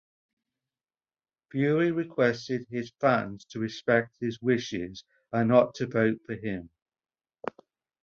Fury requested his fans to respect his wishes and not to vote for him.